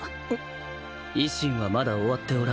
維新はまだ終わっておらんよ。